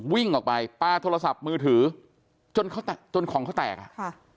วิ่งออกไปปลาโทรศัพท์มือถือจนเขาแตกจนของเขาแตกอ่ะค่ะ